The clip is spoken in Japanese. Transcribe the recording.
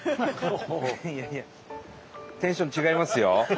いやいやテンション違いますよ。